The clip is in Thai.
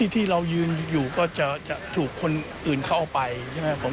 ที่เรายืนอยู่ก็จะถูกคนอื่นเข้าไปใช่ไหม